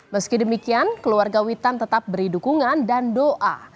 meski demikian keluarga witan tetap beri dukungan dan doa